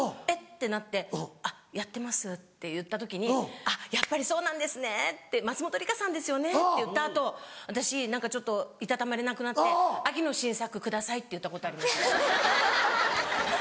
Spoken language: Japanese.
てなって「やってます」って言った時に「やっぱりそうなんですね松本梨香さんですよね」って言った後私ちょっと居たたまれなくなって「秋の新作ください」って言ったことあります。